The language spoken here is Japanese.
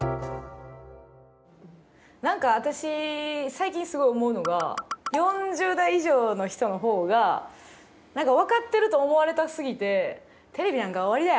何か私最近すごい思うのが４０代以上の人のほうが何か分かってると思われたすぎて「テレビなんか終わりだよ」